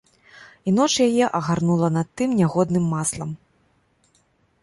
І ноч яе агарнула над тым нягодным маслам.